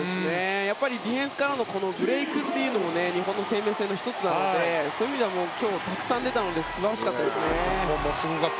ディフェンスからのブレークというのも日本の生命線の１つなのでそういう意味では今日たくさん出たのでよかったですね。